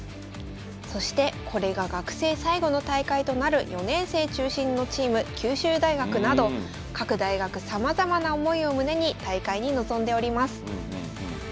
そしてこれが学生最後の大会となる４年生中心のチーム九州大学など各大学さまざまな思いを胸に大会に臨んでおります。